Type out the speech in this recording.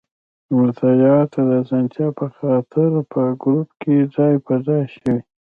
د مطالعاتو د اسانتیا په خاطر په ګروپ کې ځای په ځای شوي.